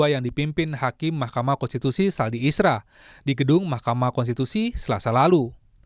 yang dipimpin hakim mahkamah konstitusi saldi isra di gedung mahkamah konstitusi selasa lalu